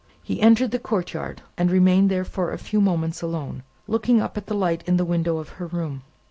He entered the courtyard and remained there for a few moments alone, looking up at the light in the window of her room.